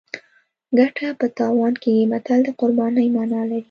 ګټه په تاوان کیږي متل د قربانۍ مانا لري